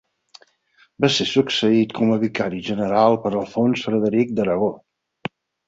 Va ser succeït com a vicari general per Alfons Frederic d'Aragó.